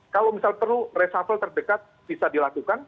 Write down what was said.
kalau misal perlu reshuffle terdekat bisa dilakukan